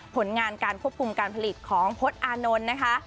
ผลงานการควบคุมการผลิตของพจน์อานนท์นะคะ